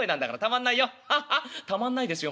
ハハッたまんないですよ